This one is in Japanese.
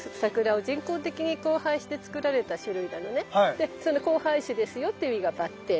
でその交配種ですよっていう意味がバッテン。